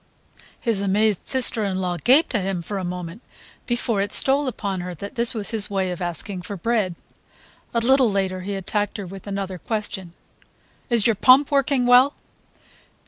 His amazed sister in law gaped at him for a moment before it stole upon her that this was his way of asking for bread. A little later he attacked her with another question: "Is your pump working well?"